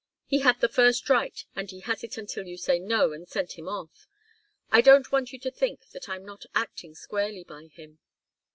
He had the first right, and he has it until you say 'no' and send him off. I don't want you to think that I'm not acting squarely by him."